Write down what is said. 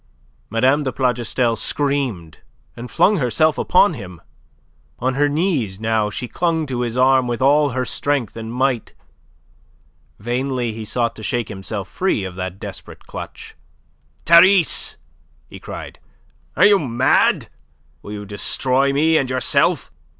Mme. de Plougastel screamed, and flung herself upon him. On her knees now, she clung to his arm with all her strength and might. Vainly he sought to shake himself free of that desperate clutch. "Therese!" he cried. "Are you mad? Will you destroy me and yourself?